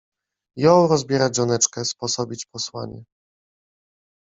Jął rozbierać żoneczkę, sposobić posłanie